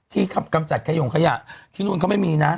ที่กับกำจัดไขโยงขยะที่โน่นเขาไม่มีนะ